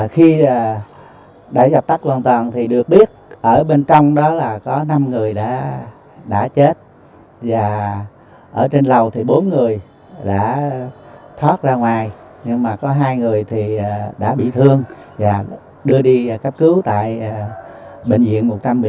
khi đã dập tắt hoàn toàn thì được biết ở bên trong đó là có năm người đã chết và ở trên lầu thì bốn người đã thoát ra ngoài nhưng mà có hai người thì đã bị thương và đưa đi cấp cứu tại bệnh viện một trăm một mươi năm